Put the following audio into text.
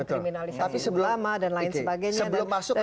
kriminalisasi ulama dan lain sebagainya